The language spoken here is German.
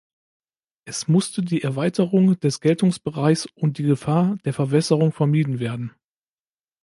Es musste die Erweiterung des Geltungsbereichs und die Gefahr der Verwässerung vermieden werden.